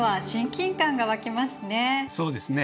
そうですね。